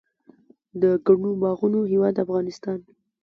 د ګڼو باغونو هیواد افغانستان.